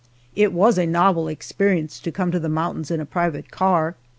It was a novel experience to come to the mountains in a private car!